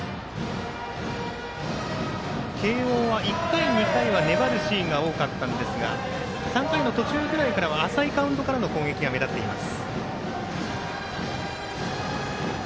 慶応は１回２回は粘るシーンが多かったんですが３回の途中ぐらいから浅いカウントでの攻撃が目立っています。